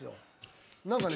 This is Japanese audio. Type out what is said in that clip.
何かね